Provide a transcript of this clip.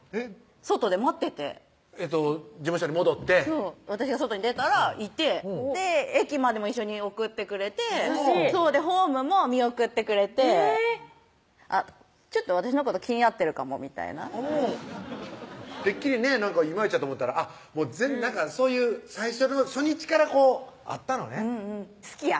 外で待ってて事務所に戻ってそう私が外に出たらいて駅までも一緒に送ってくれてホームも見送ってくれてちょっと私のこと気になってるかもみたいなてっきりねいまいちやと思ったらそういう最初の初日からこうあったのね好きやんみたいな